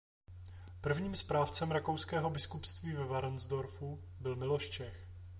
Prvním správcem rakouského biskupství ve Varnsdorfu byl Miloš Čech.